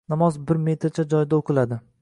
— Namoz bir metrcha joyda o‘qiladi.